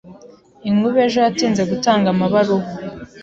Inkuba ejo yatinze gutanga amabaruwa.